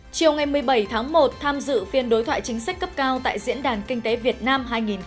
chiều ngày một mươi bảy tháng một tham dự phiên đối thoại chính sách cấp cao tại diễn đàn kinh tế việt nam hai nghìn một mươi chín